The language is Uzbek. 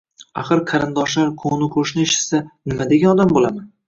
Axir, qarindoshlar, qo`ni-qo`shni eshitsa, nima degan odam bo`laman